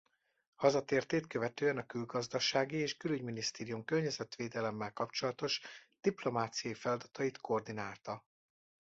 Hazatértét követően a Külgazdasági és Külügyminisztérium környezetvédelemmel kapcsolatos diplomáciai feladatait koordinálta.